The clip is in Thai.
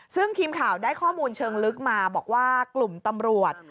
ซึ่งทีมข่าวได้ข้อมูลเชิงลึกมาบอกว่ากลุ่มตำรวจ